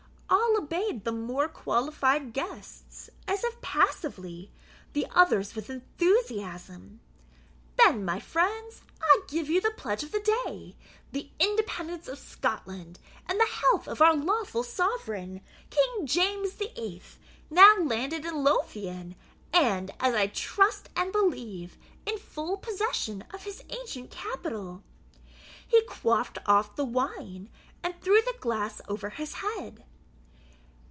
All obeyed the more qualified guests as if passively, the others with enthusiasm "Then, my friends, I give you the pledge of the day The independence of Scotland, and the health of our lawful sovereign, King James the Eighth, now landed in Lothian, and, as I trust and believe, in full possession of his ancient capital!" He quaffed off the wine, and threw the glass over his head.